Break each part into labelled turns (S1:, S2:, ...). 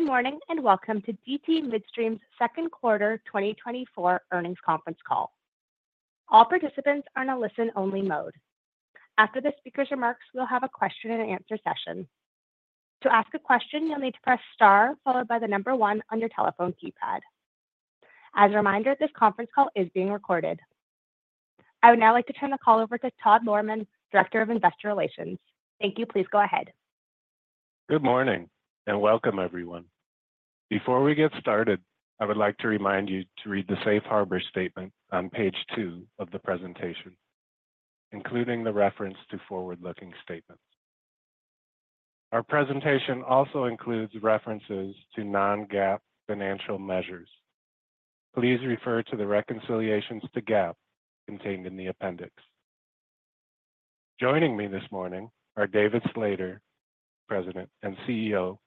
S1: Good morning and Welcome to DTMidstream's second quarter 2024 earnings conference call. All participants are in a listen-only mode. After the speaker's remarks, we'll have a question-and-answer session. To ask a question, you'll need to press star followed by the number one on your telephone keypad. As a reminder, this conference call is being recorded. I would now like to turn the call over to Todd Lohrmann, Director of Investor Relations. Thank you. Please go ahead.
S2: Good morning and welcome, everyone. Before we get started, I would like to remind you to read the Safe Harbor statement on page two of the presentation, including the reference to forward-looking statements. Our presentation also includes references to non-GAAP financial measures. Please refer to the reconciliations to GAAP contained in the appendix. Joining me this morning are David Slater, President and CEO,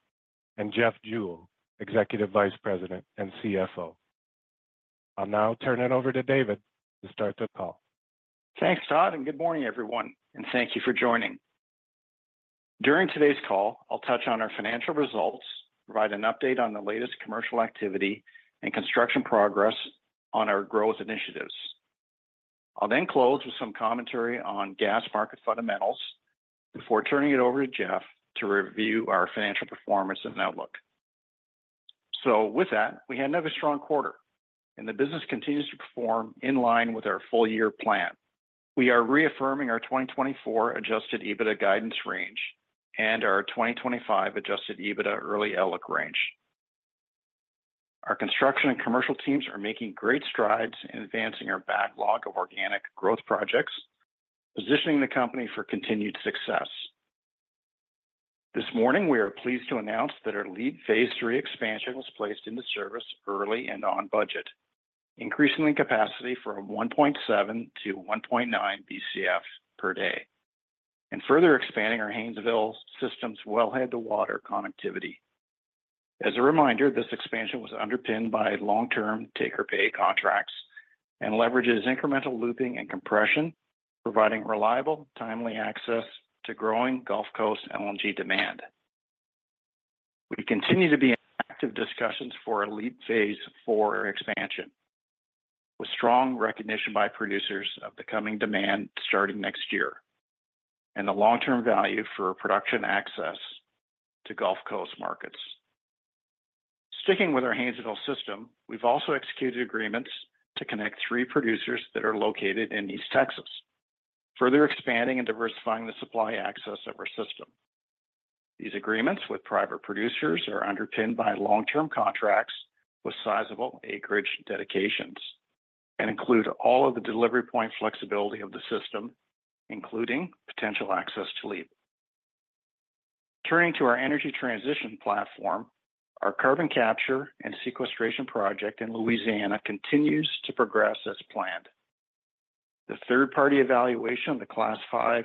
S2: and Jeff Jewell, Executive Vice President and CFO. I'll now turn it over to David to start the call.
S3: Thanks, Todd, and good morning, everyone, and thank you for joining. During today's call, I'll touch on our financial results, provide an update on the latest commercial activity, and construction progress on our growth initiatives. I'll then close with some commentary on gas market fundamentals before turning it over to Jeff to review our financial performance and outlook. So with that, we had another strong quarter, and the business continues to perform in line with our full-year plan. We are reaffirming our 2024 Adjusted EBITDA guidance range and our 2025 Adjusted EBITDA early outlook range. Our construction and commercial teams are making great strides in advancing our backlog of organic growth projects, positioning the company for continued success. This morning, we are pleased to announce that our LEAP Phase 3 expansion was placed into service early and on budget, increasing the capacity from 1.7 Bcf/d-1.9 Bcf/d and further expanding our Haynesville system's wellhead-to-market connectivity. As a reminder, this expansion was underpinned by long-term take-or-pay contracts and leverages incremental looping and compression, providing reliable, timely access to growing Gulf Coast LNG demand. We continue to be in active discussions for a LEAP Phase 4 expansion, with strong recognition by producers of the coming demand starting next year and the long-term value for production access to Gulf Coast markets. Sticking with our Haynesville system, we've also executed agreements to connect three producers that are located in East Texas, further expanding and diversifying the supply access of our system. These agreements with private producers are underpinned by long-term contracts with sizable acreage dedications and include all of the delivery point flexibility of the system, including potential access to LEAP. Turning to our energy transition platform, our carbon capture and sequestration project in Louisiana continues to progress as planned. The third-party evaluation of the Class V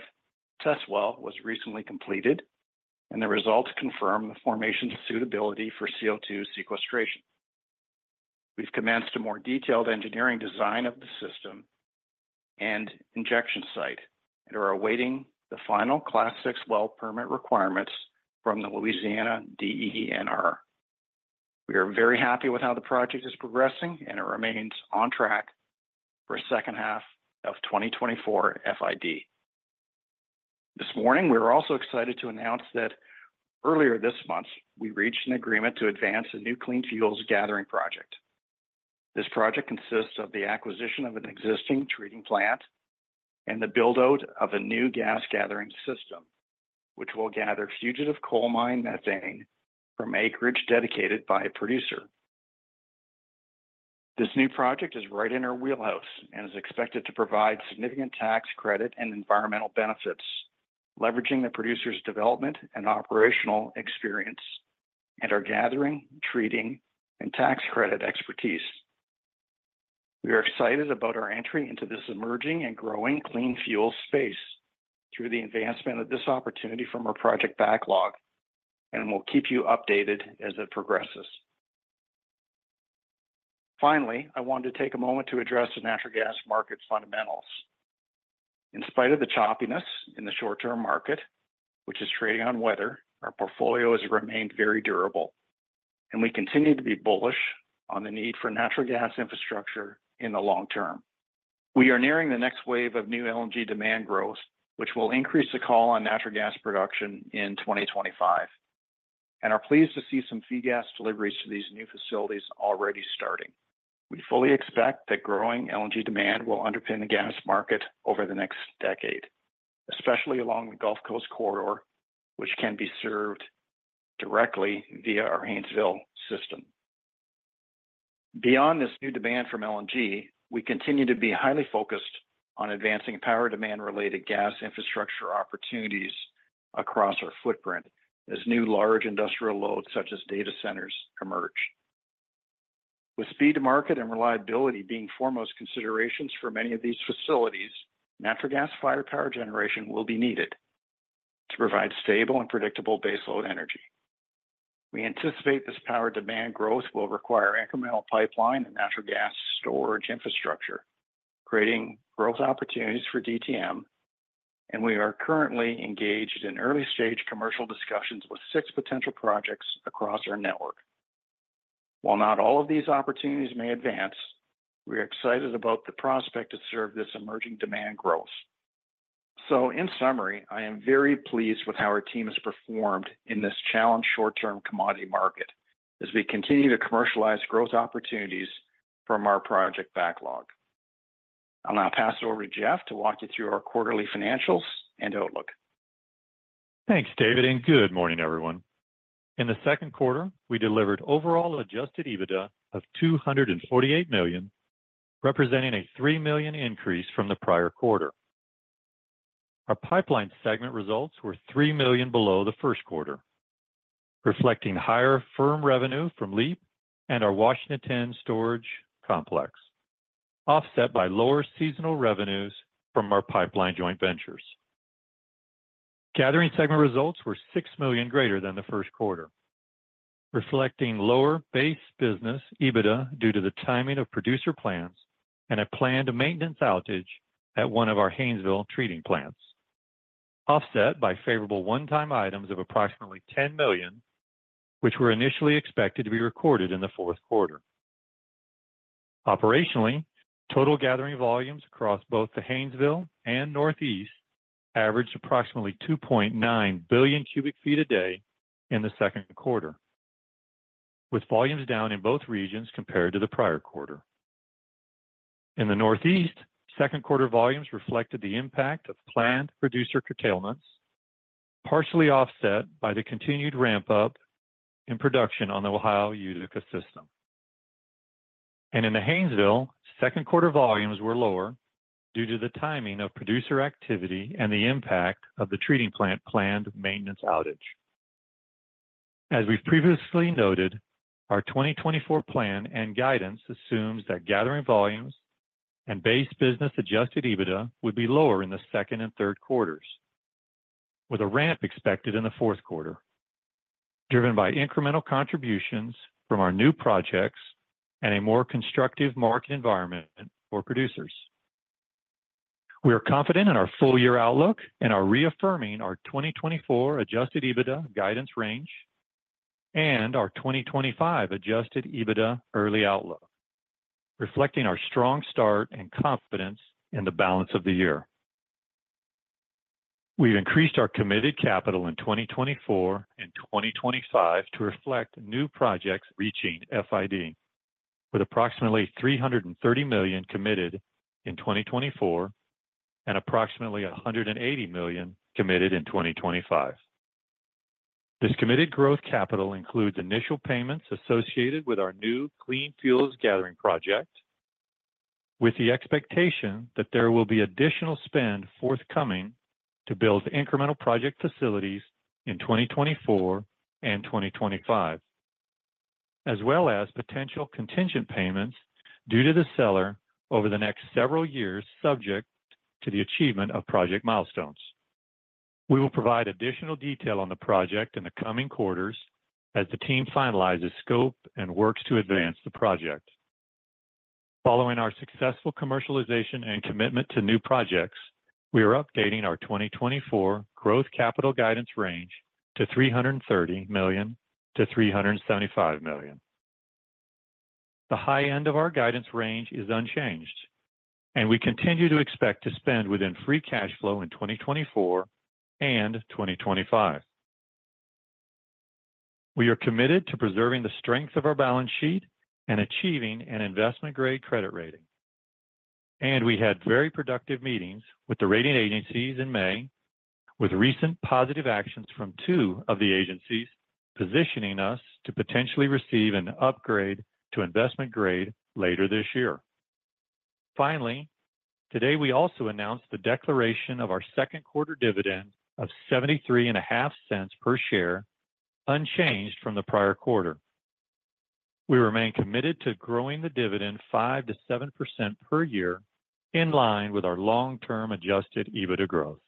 S3: test well was recently completed, and the results confirm the formation suitability for CO2 sequestration. We've commenced a more detailed engineering design of the system and injection site and are awaiting the final Class VI well permit requirements from the Louisiana DENR. We are very happy with how the project is progressing and it remains on track for the second half of 2024 FID. This morning, we were also excited to announce that earlier this month, we reached an agreement to advance a new clean fuels gathering project. This project consists of the acquisition of an existing treating plant and the buildout of a new gas gathering system, which will gather fugitive coal mine methane from acreage dedicated by a producer. This new project is right in our wheelhouse and is expected to provide significant tax credit and environmental benefits, leveraging the producer's development and operational experience and our gathering, treating, and tax credit expertise. We are excited about our entry into this emerging and growing clean fuel space through the advancement of this opportunity from our project backlog, and we'll keep you updated as it progresses. Finally, I want to take a moment to address the natural gas market fundamentals. In spite of the choppiness in the short-term market, which is trading on weather, our portfolio has remained very durable, and we continue to be bullish on the need for natural gas infrastructure in the long term. We are nearing the next wave of new LNG demand growth, which will increase the call on natural gas production in 2025, and are pleased to see some feed gas deliveries to these new facilities already starting. We fully expect that growing LNG demand will underpin the gas market over the next decade, especially along the Gulf Coast corridor, which can be served directly via our Haynesville system. Beyond this new demand from LNG, we continue to be highly focused on advancing power demand-related gas infrastructure opportunities across our footprint as new large industrial loads such as data centers emerge. With speed to market and reliability being foremost considerations for many of these facilities, natural gas-fired power generation will be needed to provide stable and predictable baseload energy. We anticipate this power demand growth will require incremental pipeline and natural gas storage infrastructure, creating growth opportunities for DTM, and we are currently engaged in early-stage commercial discussions with six potential projects across our network. While not all of these opportunities may advance, we are excited about the prospect to serve this emerging demand growth. So, in summary, I am very pleased with how our team has performed in this challenged short-term commodity market as we continue to commercialize growth opportunities from our project backlog. I'll now pass it over to Jeff to walk you through our quarterly financials and outlook.
S4: Thanks, David, and good morning, everyone. In the second quarter, we delivered overall Adjusted EBITDA of $248 million, representing a $3 million increase from the prior quarter. Our pipeline segment results were $3 million below the first quarter, reflecting higher firm revenue from LEAP and our Washington 10 Storage Complex, offset by lower seasonal revenues from our pipeline joint ventures. Gathering segment results were $6 million greater than the first quarter, reflecting lower base business EBITDA due to the timing of producer plans and a planned maintenance outage at one of our Haynesville treating plants, offset by favorable one-time items of approximately $10 million, which were initially expected to be recorded in the fourth quarter. Operationally, total gathering volumes across both the Haynesville and Northeast averaged approximately 2.9 billion cu ft a day in the second quarter, with volumes down in both regions compared to the prior quarter. In the Northeast, second quarter volumes reflected the impact of planned producer curtailments, partially offset by the continued ramp-up in production on the Ohio Utica system. In the Haynesville, second quarter volumes were lower due to the timing of producer activity and the impact of the treating plant planned maintenance outage. As we've previously noted, our 2024 plan and guidance assumes that gathering volumes and base business Adjusted EBITDA would be lower in the second and third quarters, with a ramp expected in the fourth quarter, driven by incremental contributions from our new projects and a more constructive market environment for producers. We are confident in our full-year outlook and are reaffirming our 2024 Adjusted EBITDA guidance range and our 2025 Adjusted EBITDA early outlook, reflecting our strong start and confidence in the balance of the year. We've increased our committed capital in 2024 and 2025 to reflect new projects reaching FID, with approximately $330 million committed in 2024 and approximately $180 million committed in 2025. This committed growth capital includes initial payments associated with our new clean fuels gathering project, with the expectation that there will be additional spend forthcoming to build incremental project facilities in 2024 and 2025, as well as potential contingent payments due to the seller over the next several years subject to the achievement of project milestones. We will provide additional detail on the project in the coming quarters as the team finalizes scope and works to advance the project. Following our successful commercialization and commitment to new projects, we are updating our 2024 growth capital guidance range to $330 million-$375 million. The high end of our guidance range is unchanged, and we continue to expect to spend within Free Cash Flow in 2024 and 2025. We are committed to preserving the strength of our balance sheet and achieving an investment grade credit rating. We had very productive meetings with the rating agencies in May, with recent positive actions from two of the agencies positioning us to potentially receive an upgrade to investment grade later this year. Finally, today we also announced the declaration of our second quarter dividend of $0.73 per share, unchanged from the prior quarter. We remain committed to growing the dividend 5%-7% per year in line with our long-term Adjusted EBITDA growth.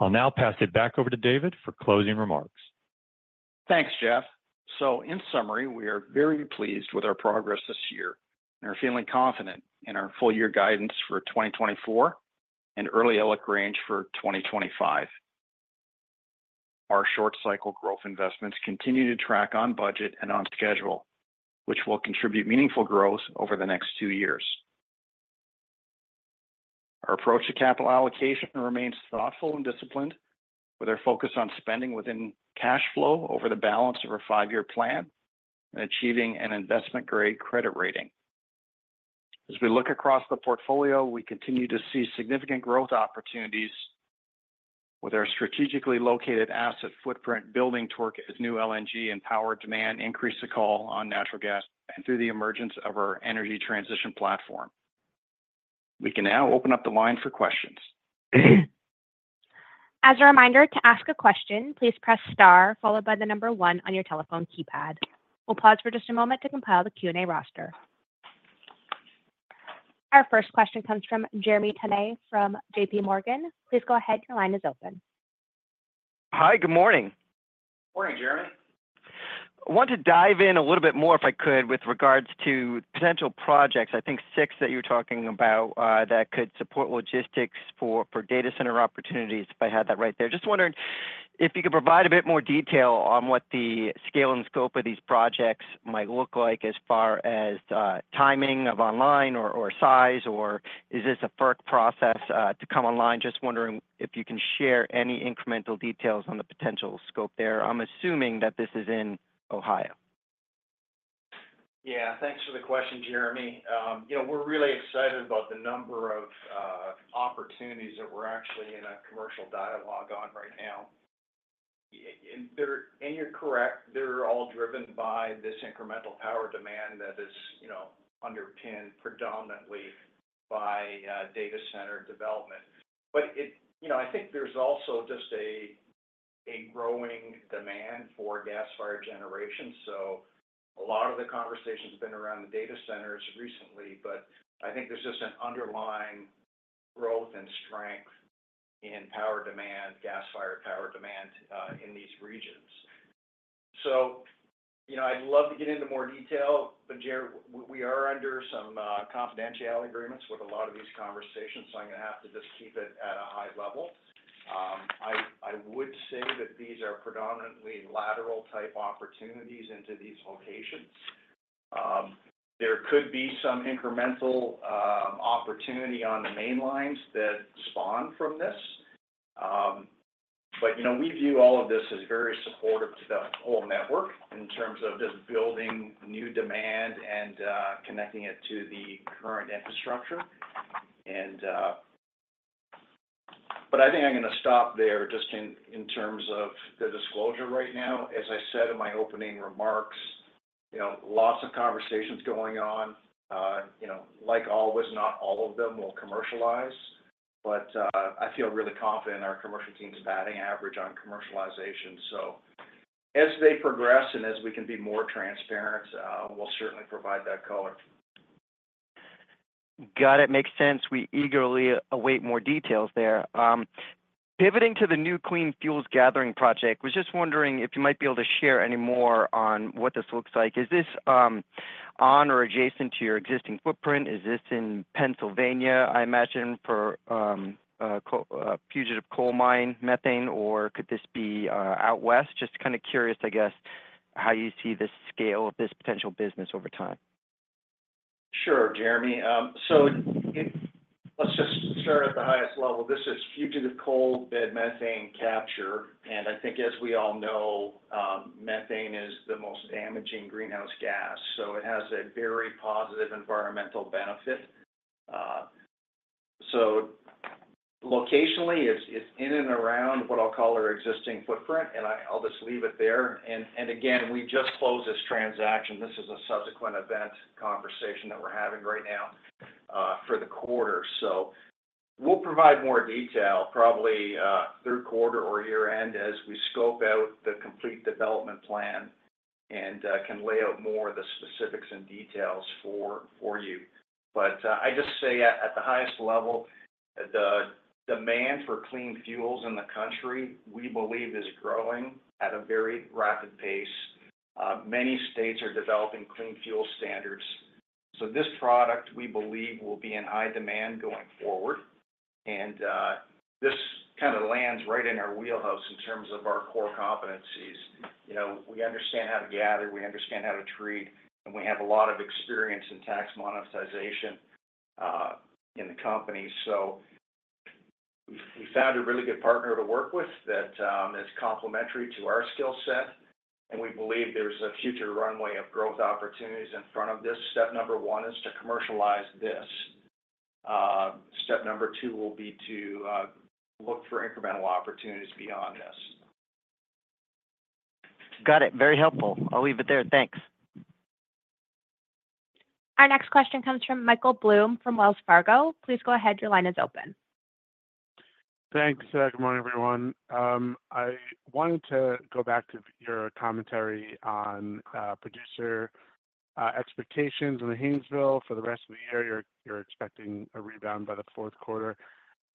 S4: I'll now pass it back over to David for closing remarks.
S3: Thanks, Jeff. So, in summary, we are very pleased with our progress this year and are feeling confident in our full-year guidance for 2024 and early outlook range for 2025. Our short-cycle growth investments continue to track on budget and on schedule, which will contribute meaningful growth over the next two years. Our approach to capital allocation remains thoughtful and disciplined, with our focus on spending within cash flow over the balance of our five-year plan and achieving an investment-grade credit rating. As we look across the portfolio, we continue to see significant growth opportunities with our strategically located asset footprint building torque as new LNG and power demand increase the call on natural gas and through the emergence of our energy transition platform. We can now open up the line for questions.
S1: As a reminder, to ask a question, please press star followed by the number one on your telephone keypad. We'll pause for just a moment to compile the Q&A roster. Our first question comes from Jeremy Tonet from JPMorgan. Please go ahead. Your line is open.
S5: Hi. Good morning.
S3: Morning, Jeremy.
S5: I want to dive in a little bit more if I could with regards to potential projects, I think six that you're talking about that could support logistics for data center opportunities, if I had that right there. Just wondering if you could provide a bit more detail on what the scale and scope of these projects might look like as far as timing of online or size, or is this a FERC process to come online? Just wondering if you can share any incremental details on the potential scope there. I'm assuming that this is in Ohio.
S3: Yeah. Thanks for the question, Jeremy. We're really excited about the number of opportunities that we're actually in a commercial dialogue on right now. You're correct. They're all driven by this incremental power demand that is underpinned predominantly by data center development. I think there's also just a growing demand for gas-fired generation. A lot of the conversation has been around the data centers recently, but I think there's just an underlying growth and strength in power demand, gas-fired power demand in these regions. I'd love to get into more detail, but, Jere, we are under some confidentiality agreements with a lot of these conversations, so I'm going to have to just keep it at a high level. I would say that these are predominantly lateral-type opportunities into these locations. There could be some incremental opportunity on the main lines that spawn from this. But we view all of this as very supportive to the whole network in terms of just building new demand and connecting it to the current infrastructure. But I think I'm going to stop there just in terms of the disclosure right now. As I said in my opening remarks, lots of conversations going on. Like always, not all of them will commercialize, but I feel really confident our commercial team's batting average on commercialization. So as they progress and as we can be more transparent, we'll certainly provide that color.
S5: Got it. Makes sense. We eagerly await more details there. Pivoting to the new clean fuels gathering project, was just wondering if you might be able to share any more on what this looks like. Is this on or adjacent to your existing footprint? Is this in Pennsylvania, I imagine, for fugitive coal mine methane, or could this be out west? Just kind of curious, I guess, how you see the scale of this potential business over time.
S3: Sure, Jeremy. So let's just start at the highest level. This is fugitive coal mine methane capture. And I think, as we all know, methane is the most damaging greenhouse gas. So it has a very positive environmental benefit. So locationally, it's in and around what I'll call our existing footprint, and I'll just leave it there. And again, we just closed this transaction. This is a subsequent event conversation that we're having right now for the quarter. So we'll provide more detail probably through quarter or year-end as we scope out the complete development plan and can lay out more of the specifics and details for you. But I just say at the highest level, the demand for clean fuels in the country, we believe, is growing at a very rapid pace. Many states are developing clean fuel standards. So this product, we believe, will be in high demand going forward. And this kind of lands right in our wheelhouse in terms of our core competencies. We understand how to gather. We understand how to treat. And we have a lot of experience in tax monetization in the company. So we found a really good partner to work with that is complementary to our skill set. And we believe there's a future runway of growth opportunities in front of this. Step number one is to commercialize this. Step number two will be to look for incremental opportunities beyond this.
S5: Got it. Very helpful. I'll leave it there. Thanks.
S1: Our next question comes from Michael Blum from Wells Fargo. Please go ahead. Your line is open.
S6: Thanks. Good morning, everyone. I wanted to go back to your commentary on producer expectations in the Haynesville for the rest of the year. You're expecting a rebound by the fourth quarter.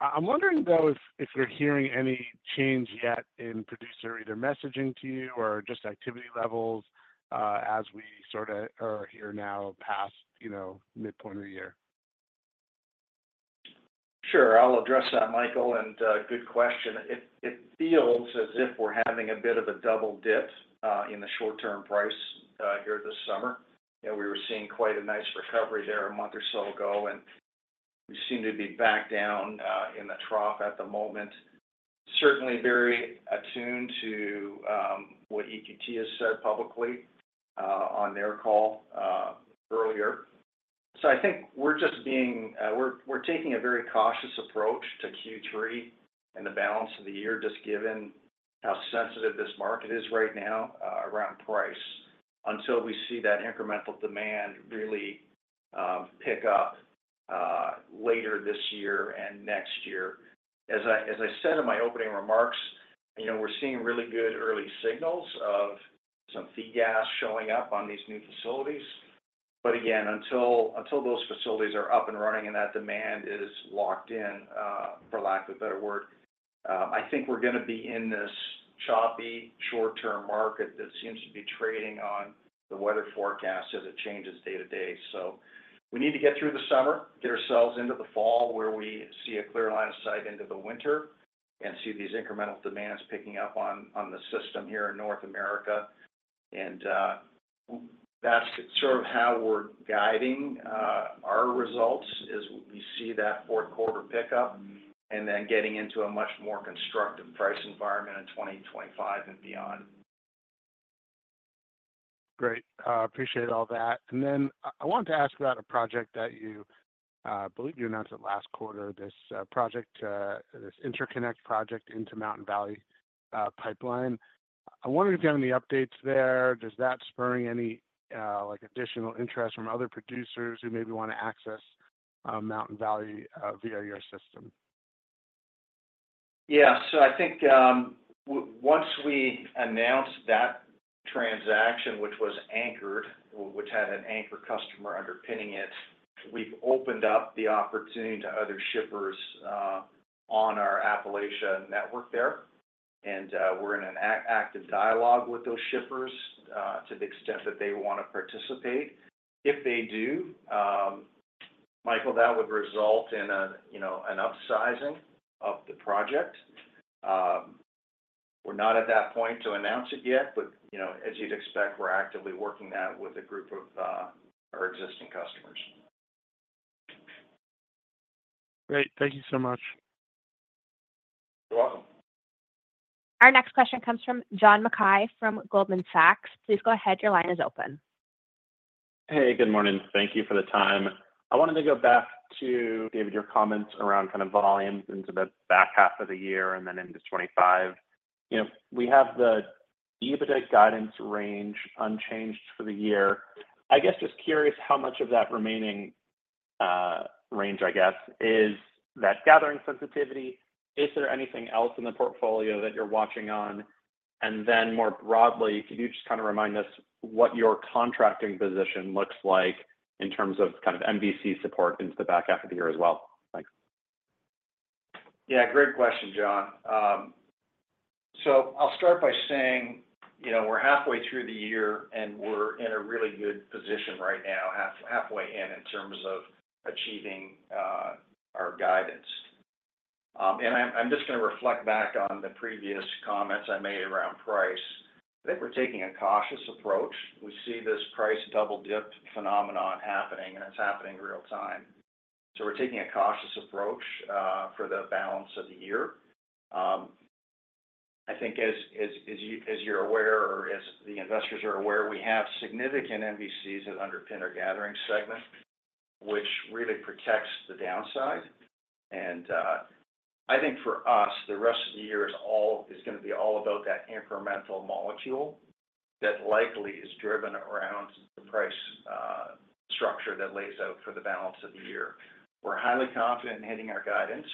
S6: I'm wondering, though, if you're hearing any change yet in producer either messaging to you or just activity levels as we sort of are here now past midpoint of the year.
S3: Sure. I'll address that, Michael. Good question. It feels as if we're having a bit of a double dip in the short-term price here this summer. We were seeing quite a nice recovery there a month or so ago, and we seem to be back down in the trough at the moment. Certainly very attuned to what EQT has said publicly on their call earlier. So I think we're just taking a very cautious approach to Q3 and the balance of the year, just given how sensitive this market is right now around price until we see that incremental demand really pick up later this year and next year. As I said in my opening remarks, we're seeing really good early signals of some feed gas showing up on these new facilities. But again, until those facilities are up and running and that demand is locked in, for lack of a better word, I think we're going to be in this choppy short-term market that seems to be trading on the weather forecast as it changes day to day. So we need to get through the summer, get ourselves into the fall where we see a clear line of sight into the winter and see these incremental demands picking up on the system here in North America. And that's sort of how we're guiding our results as we see that fourth quarter pickup and then getting into a much more constructive price environment in 2025 and beyond.
S6: Great. Appreciate all that. Then I wanted to ask about a project that you believe you announced last quarter, this project, this interconnect project into Mountain Valley Pipeline. I wonder if you have any updates there. Does that spur any additional interest from other producers who maybe want to access Mountain Valley via your system?
S3: Yeah. So I think once we announced that transaction, which was anchored, which had an anchor customer underpinning it, we've opened up the opportunity to other shippers on our Appalachia network there. And we're in an active dialogue with those shippers to the extent that they want to participate. If they do, Michael, that would result in an upsizing of the project. We're not at that point to announce it yet, but as you'd expect, we're actively working that with a group of our existing customers.
S6: Great. Thank you so much.
S3: You're welcome.
S1: Our next question comes from John Mackay from Goldman Sachs. Please go ahead. Your line is open.
S7: Hey, good morning. Thank you for the time. I wanted to go back to, David, your comments around kind of volumes into the back half of the year and then into 2025. We have the EBITDA guidance range unchanged for the year. I guess just curious how much of that remaining range, I guess, is that gathering sensitivity. Is there anything else in the portfolio that you're watching on? And then more broadly, could you just kind of remind us what your contracting position looks like in terms of kind of MVC support into the back half of the year as well? Thanks.
S3: Yeah. Great question, John. So I'll start by saying we're halfway through the year, and we're in a really good position right now, halfway in, in terms of achieving our guidance. And I'm just going to reflect back on the previous comments I made around price. I think we're taking a cautious approach. We see this price double-dip phenomenon happening, and it's happening real-time. So we're taking a cautious approach for the balance of the year. I think, as you're aware or as the investors are aware, we have significant MVCs that underpin our gathering segment, which really protects the downside. And I think for us, the rest of the year is going to be all about that incremental molecule that likely is driven around the price structure that lays out for the balance of the year. We're highly confident in hitting our guidance.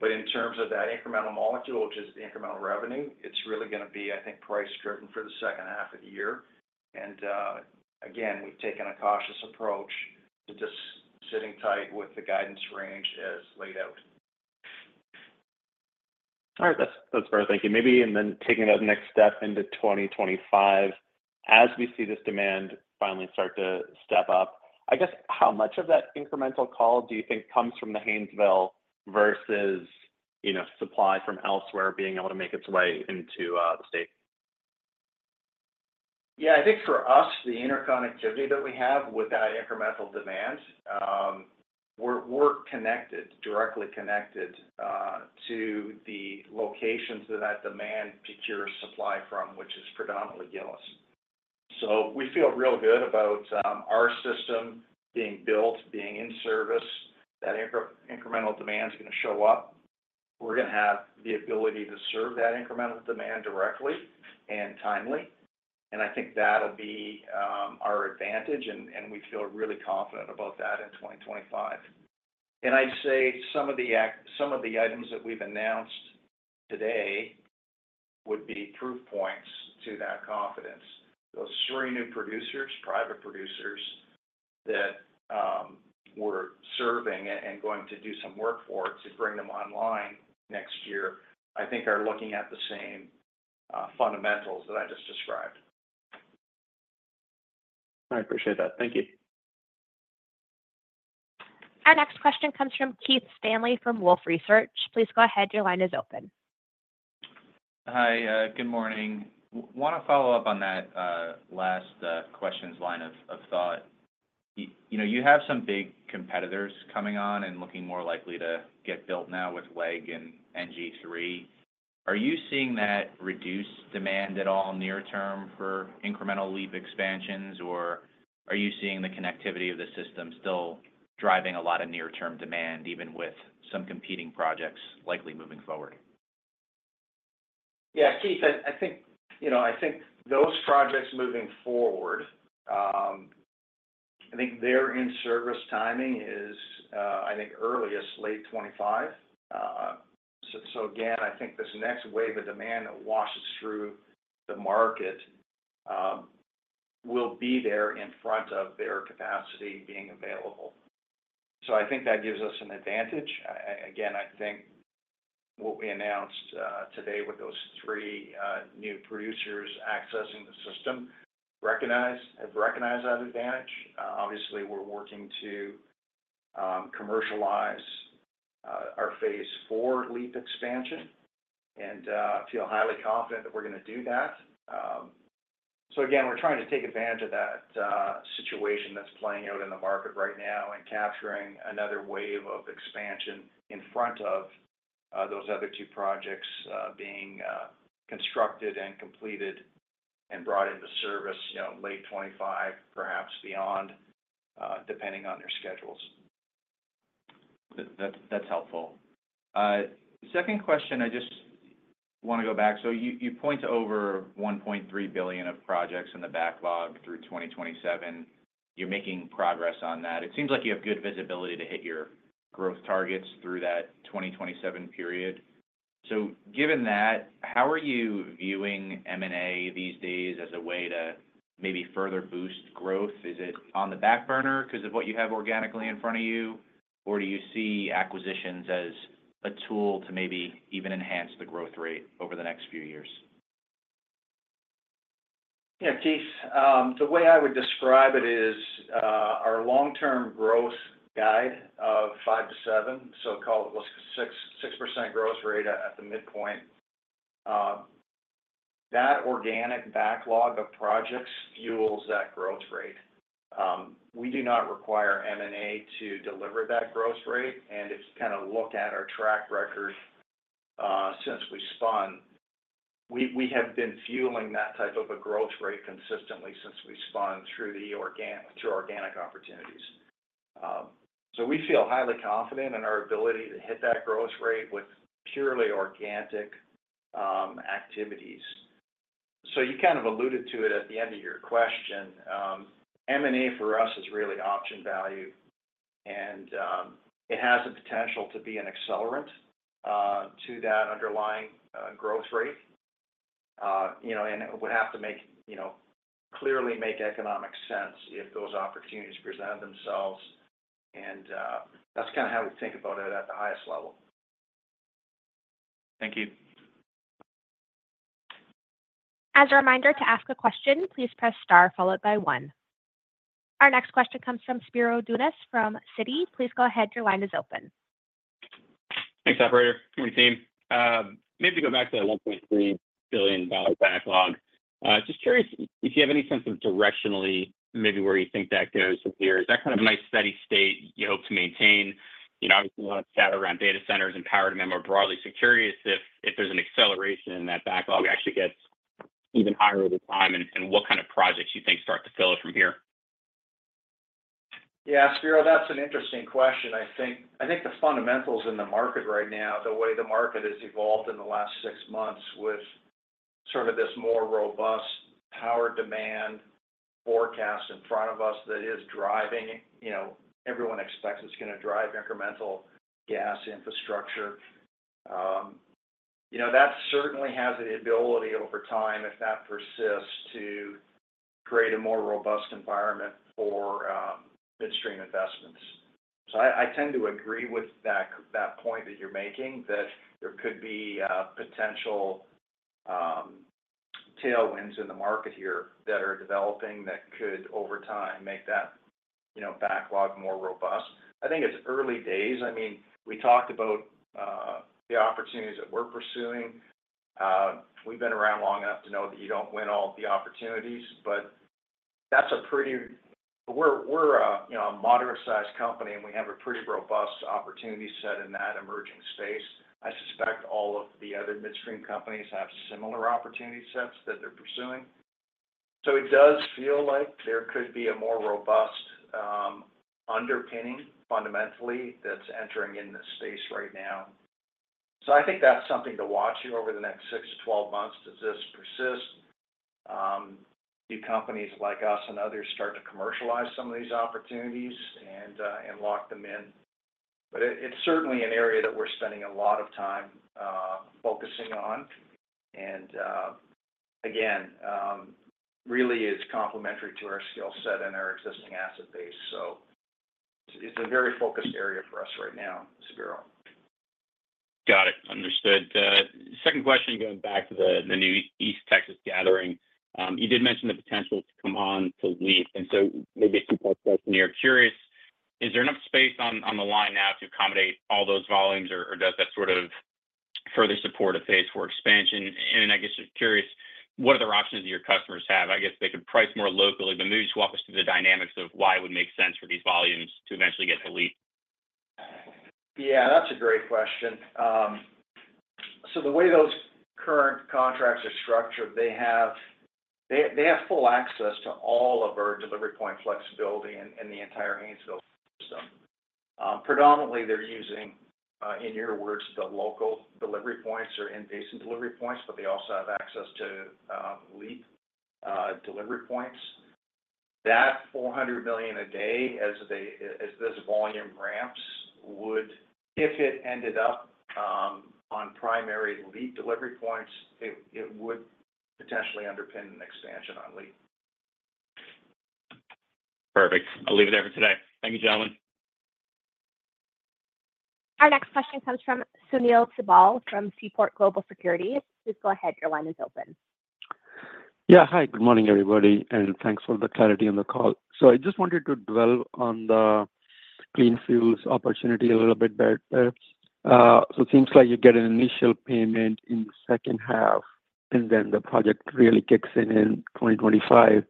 S3: But in terms of that incremental molecule, which is the incremental revenue, it's really going to be, I think, price-driven for the second half of the year. And again, we've taken a cautious approach to just sitting tight with the guidance range as laid out.
S7: All right. That's perfect. Thank you. Maybe even then taking that next step into 2025 as we see this demand finally start to step up. I guess how much of that incremental call do you think comes from the Haynesville versus supply from elsewhere being able to make its way into the state?
S3: Yeah. I think for us, the interconnectivity that we have with that incremental demand, we're connected, directly connected to the locations that that demand procures supply from, which is predominantly Gillis. So we feel real good about our system being built, being in service. That incremental demand is going to show up. We're going to have the ability to serve that incremental demand directly and timely. And I think that'll be our advantage, and we feel really confident about that in 2025. And I'd say some of the items that we've announced today would be proof points to that confidence. Those three new producers, private producers that we're serving and going to do some work for to bring them online next year, I think are looking at the same fundamentals that I just described.
S7: All right. Appreciate that. Thank you.
S1: Our next question comes from Keith Stanley from Wolfe Research. Please go ahead. Your line is open.
S8: Hi. Good morning. Want to follow up on that last question's line of thought. You have some big competitors coming on and looking more likely to get built now with LEG and NG3. Are you seeing that reduced demand at all near-term for incremental LEAP expansions, or are you seeing the connectivity of the system still driving a lot of near-term demand, even with some competing projects likely moving forward?
S3: Yeah. Keith, I think those projects moving forward, I think they're in-service timing is, I think, earliest late 2025. So again, I think this next wave of demand that washes through the market will be there in front of their capacity being available. So I think that gives us an advantage. Again, I think what we announced today with those three new producers accessing the system have recognized that advantage. Obviously, we're working to commercialize our Phase 4 LEAP expansion, and I feel highly confident that we're going to do that. So again, we're trying to take advantage of that situation that's playing out in the market right now and capturing another wave of expansion in front of those other two projects being constructed and completed and brought into service late 2025, perhaps beyond, depending on their schedules.
S8: That's helpful. Second question, I just want to go back. So you point to over $1.3 billion of projects in the backlog through 2027. You're making progress on that. It seems like you have good visibility to hit your growth targets through that 2027 period. So given that, how are you viewing M&A these days as a way to maybe further boost growth? Is it on the back burner because of what you have organically in front of you, or do you see acquisitions as a tool to maybe even enhance the growth rate over the next few years?
S3: Yeah, Keith, the way I would describe it is our long-term growth guide of 5%-7%, so call it 6% growth rate at the midpoint. That organic backlog of projects fuels that growth rate. We do not require M&A to deliver that growth rate. And if you kind of look at our track record since we spun, we have been fueling that type of a growth rate consistently since we spun through organic opportunities. So we feel highly confident in our ability to hit that growth rate with purely organic activities. So you kind of alluded to it at the end of your question. M&A for us is really option value, and it has the potential to be an accelerant to that underlying growth rate. And it would have to clearly make economic sense if those opportunities presented themselves. And that's kind of how we think about it at the highest level.
S8: Thank you.
S1: As a reminder to ask a question, please press star followed by one. Our next question comes from Spiro Dounis from Citi. Please go ahead. Your line is open.
S9: Thanks, operator. Good evening. Maybe to go back to that $1.3 billion backlog, just curious if you have any sense of directionally maybe where you think that goes from here. Is that kind of a nice steady state you hope to maintain? Obviously, you want to scatter around data centers and power demand more broadly. So curious if there's an acceleration in that backlog actually gets even higher over time and what kind of projects you think start to fill it from here.
S3: Yeah, Spiro, that's an interesting question. I think the fundamentals in the market right now, the way the market has evolved in the last six months with sort of this more robust power demand forecast in front of us that is driving everyone expects it's going to drive incremental gas infrastructure. That certainly has the ability over time, if that persists, to create a more robust environment for midstream investments. So I tend to agree with that point that you're making, that there could be potential tailwinds in the market here that are developing that could, over time, make that backlog more robust. I think it's early days. I mean, we talked about the opportunities that we're pursuing. We've been around long enough to know that you don't win all the opportunities, but that's a pretty, we're a moderate-sized company, and we have a pretty robust opportunity set in that emerging space. I suspect all of the other midstream companies have similar opportunity sets that they're pursuing. So it does feel like there could be a more robust underpinning fundamentally that's entering in this space right now. So I think that's something to watch here over the next six months-12 months to just persist if companies like us and others start to commercialize some of these opportunities and lock them in. But it's certainly an area that we're spending a lot of time focusing on. And again, really, it's complementary to our skill set and our existing asset base. So it's a very focused area for us right now, Spiro.
S9: Got it. Understood. Second question going back to the new East Texas gathering. You did mention the potential to come on to LEAP. And so maybe a two-part question here. Curious, is there enough space on the line now to accommodate all those volumes, or does that sort of further support a Phase 4 expansion? And I guess just curious, what other options do your customers have? I guess they could price more locally, but maybe just walk us through the dynamics of why it would make sense for these volumes to eventually get to LEAP.
S3: Yeah, that's a great question. So the way those current contracts are structured, they have full access to all of our delivery point flexibility in the entire Haynesville system. Predominantly, they're using, in your words, the local delivery points or in-basin delivery points, but they also have access to LEAP delivery points. That 400 million a day, as this volume ramps, would, if it ended up on primary LEAP delivery points, it would potentially underpin an expansion on LEAP.
S9: Perfect. I'll leave it there for today. Thank you, gentlemen.
S1: Our next question comes from Sunil Sibal from Seaport Global Securities. Please go ahead. Your line is open.
S10: Yeah. Hi. Good morning, everybody. And thanks for the clarity on the call. So I just wanted to dwell on the clean fuels opportunity a little bit better. So it seems like you get an initial payment in the second half, and then the project really kicks in in 2025.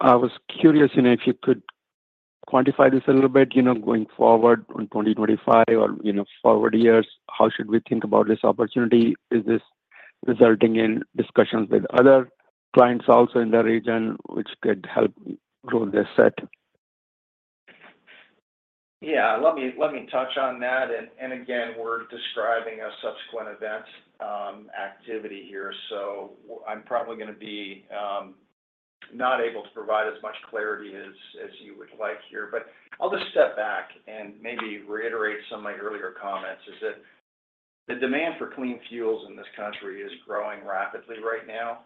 S10: I was curious if you could quantify this a little bit. Going forward in 2025 or forward years, how should we think about this opportunity? Is this resulting in discussions with other clients also in the region, which could help grow this set?
S3: Yeah. Let me touch on that. And again, we're describing a subsequent event activity here. So I'm probably going to be not able to provide as much clarity as you would like here. But I'll just step back and maybe reiterate some of my earlier comments. The demand for clean fuels in this country is growing rapidly right now.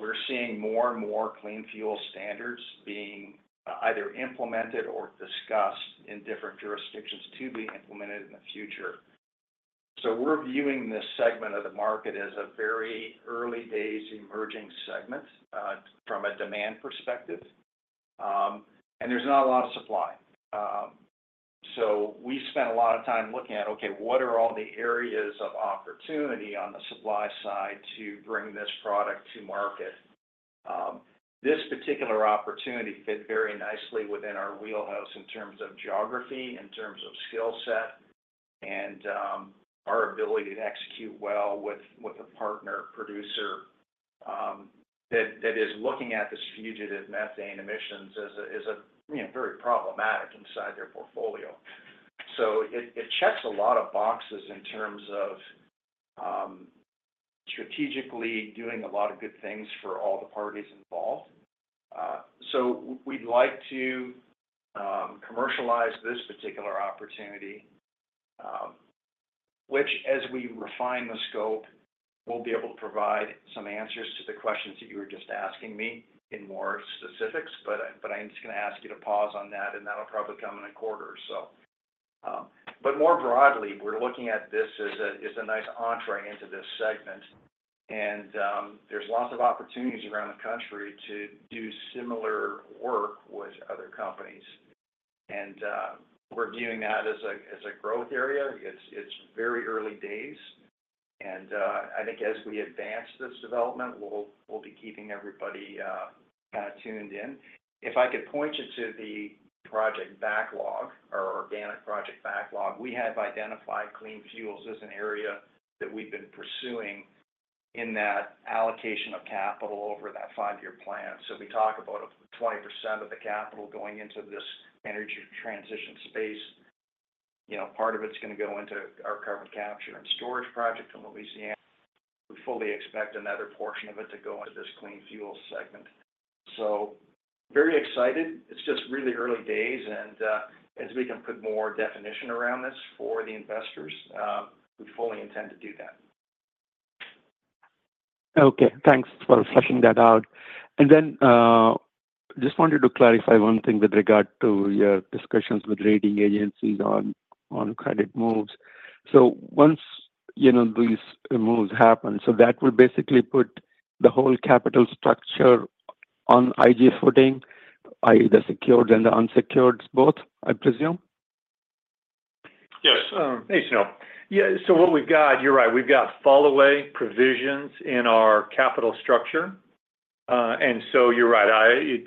S3: We're seeing more and more clean fuel standards being either implemented or discussed in different jurisdictions to be implemented in the future. So we're viewing this segment of the market as a very early days emerging segment from a demand perspective. And there's not a lot of supply. So we spent a lot of time looking at, okay, what are all the areas of opportunity on the supply side to bring this product to market? This particular opportunity fit very nicely within our wheelhouse in terms of geography, in terms of skill set, and our ability to execute well with a partner producer that is looking at this fugitive methane emissions as very problematic inside their portfolio. So it checks a lot of boxes in terms of strategically doing a lot of good things for all the parties involved. So we'd like to commercialize this particular opportunity, which, as we refine the scope, we'll be able to provide some answers to the questions that you were just asking me in more specifics. But I'm just going to ask you to pause on that, and that'll probably come in a quarter or so. But more broadly, we're looking at this as a nice entree into this segment. And there's lots of opportunities around the country to do similar work with other companies. And we're viewing that as a growth area. It's very early days. And I think as we advance this development, we'll be keeping everybody kind of tuned in. If I could point you to the project backlog or organic project backlog, we have identified clean fuels as an area that we've been pursuing in that allocation of capital over that five-year plan. So we talk about 20% of the capital going into this energy transition space. Part of it's going to go into our carbon capture and storage project in Louisiana. We fully expect another portion of it to go into this clean fuel segment. So very excited. It's just really early days. And as we can put more definition around this for the investors, we fully intend to do that.
S10: Okay. Thanks for fleshing that out. And then I just wanted to clarify one thing with regard to your discussions with rating agencies on credit moves. So once these moves happen, so that will basically put the whole capital structure on IG footing, i.e., the secured and the unsecured, both, I presume?
S4: Yes. Hey, Sunil. Yeah. So what we've got, you're right, we've got fall-away provisions in our capital structure. And so you're right. It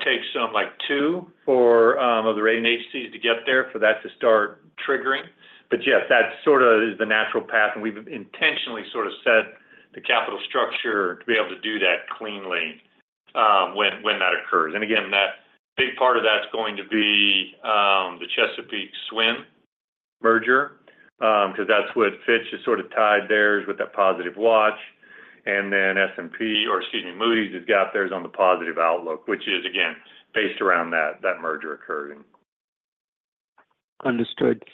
S4: takes some like two for the rating agencies to get there for that to start triggering. But yes, that sort of is the natural path. And we've intentionally sort of set the capital structure to be able to do that cleanly when that occurs. And again, that big part of that's going to be the Chesapeake-SWN merger because that's what Fitch has sort of tied theirs with that positive watch. And then S&P or, excuse me, Moody's has got theirs on the positive outlook, which is, again, based around that merger occurring.
S10: Understood.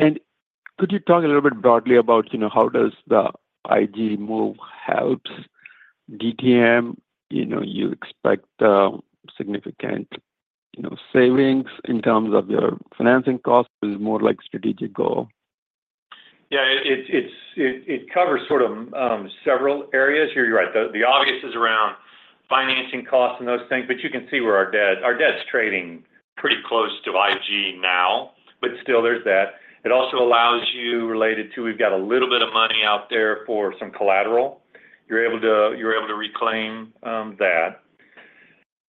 S10: Could you talk a little bit broadly about how does the IG move helps DTM? You expect significant savings in terms of your financing costs or is it more like a strategic goal?
S4: Yeah. It covers sort of several areas here. You're right. The obvious is around financing costs and those things. But you can see where our debt's trading pretty close to IG now, but still there's that. It also allows you, related to we've got a little bit of money out there for some collateral. You're able to reclaim that.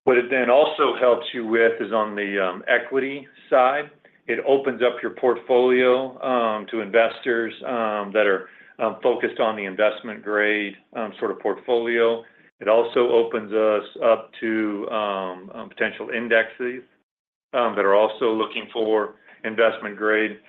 S4: What it then also helps you with is on the equity side. It opens up your portfolio to investors that are focused on the investment-grade sort of portfolio. It also opens us up to potential indexes that are also looking for investment-grade.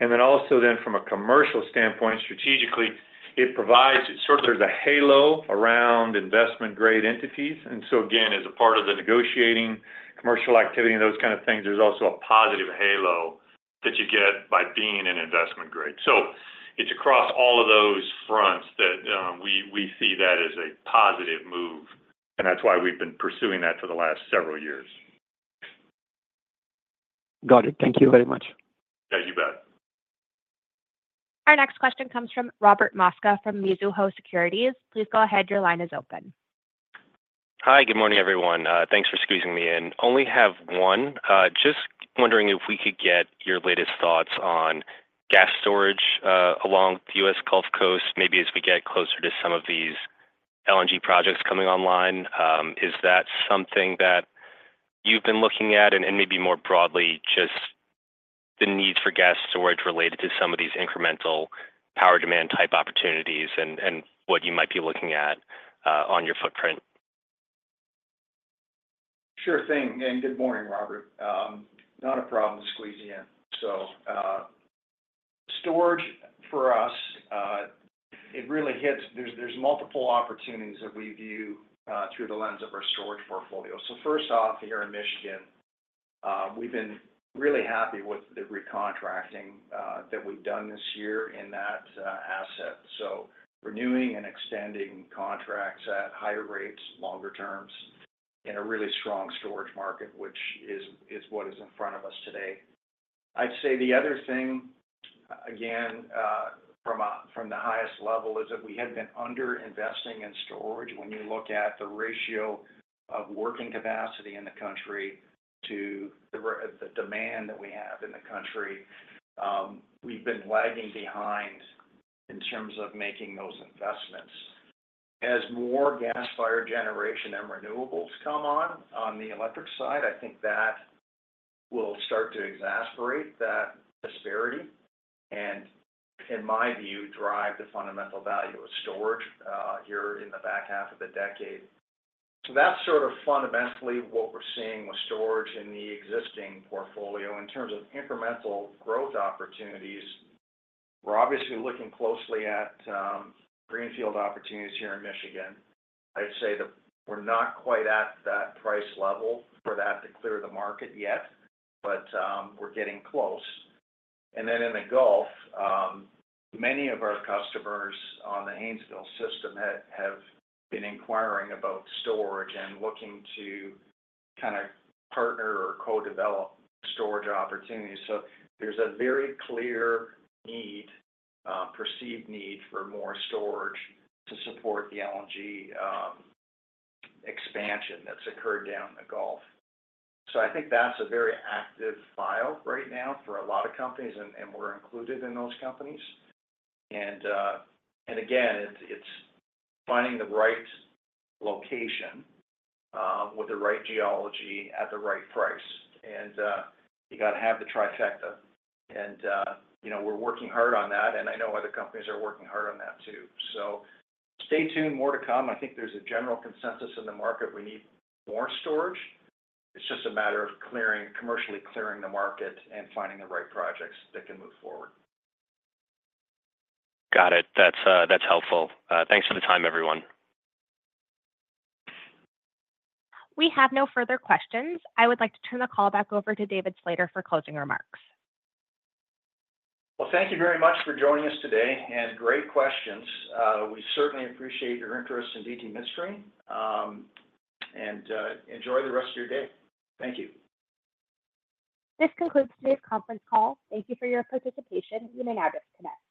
S4: And then also then from a commercial standpoint, strategically, it provides sort of there's a halo around investment-grade entities. And so again, as a part of the negotiating commercial activity and those kind of things, there's also a positive halo that you get by being in investment-grade. It's across all of those fronts that we see that as a positive move. That's why we've been pursuing that for the last several years.
S10: Got it. Thank you very much.
S4: Yeah, you bet.
S1: Our next question comes from Robert Mosca from Mizuho Securities. Please go ahead. Your line is open.
S11: Hi. Good morning, everyone. Thanks for squeezing me in. Only have one. Just wondering if we could get your latest thoughts on gas storage along the U.S. Gulf Coast, maybe as we get closer to some of these LNG projects coming online. Is that something that you've been looking at? Maybe more broadly, just the need for gas storage related to some of these incremental power demand type opportunities and what you might be looking at on your footprint?
S3: Sure thing. And good morning, Robert. Not a problem squeezing in. So storage for us, it really hits. There's multiple opportunities that we view through the lens of our storage portfolio. So first off, here in Michigan, we've been really happy with the recontracting that we've done this year in that asset. So renewing and extending contracts at higher rates, longer terms, in a really strong storage market, which is what is in front of us today. I'd say the other thing, again, from the highest level is that we had been underinvesting in storage. When you look at the ratio of working capacity in the country to the demand that we have in the country, we've been lagging behind in terms of making those investments. As more gas-fired generation and renewables come on the electric side, I think that will start to exacerbate that disparity and, in my view, drive the fundamental value of storage here in the back half of the decade. So that's sort of fundamentally what we're seeing with storage in the existing portfolio. In terms of incremental growth opportunities, we're obviously looking closely at greenfield opportunities here in Michigan. I'd say that we're not quite at that price level for that to clear the market yet, but we're getting close. And then in the Gulf, many of our customers on the Haynesville system have been inquiring about storage and looking to kind of partner or co-develop storage opportunities. So there's a very clear need, perceived need for more storage to support the LNG expansion that's occurred down in the Gulf. I think that's a very active file right now for a lot of companies, and we're included in those companies. Again, it's finding the right location with the right geology at the right price. You got to have the trifecta. We're working hard on that. I know other companies are working hard on that too. Stay tuned. More to come. I think there's a general consensus in the market. We need more storage. It's just a matter of commercially clearing the market and finding the right projects that can move forward.
S11: Got it. That's helpful. Thanks for the time, everyone.
S1: We have no further questions. I would like to turn the call back over to David Slater for closing remarks.
S3: Well, thank you very much for joining us today and great questions. We certainly appreciate your interest in DTMidstream. Enjoy the rest of your day. Thank you.
S1: This concludes today's conference call. Thank you for your participation. You may now disconnect.